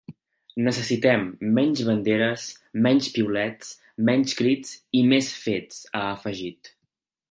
Necessitem menys banderes, menys piulets, menys crits i més fets, ha afegit.